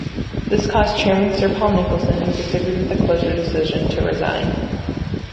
This caused Chairman Sir Paul Nicholson, who disagreed with the closure decision, to resign.